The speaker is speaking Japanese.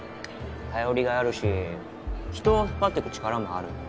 頼りがいあるし人を引っ張ってく力もある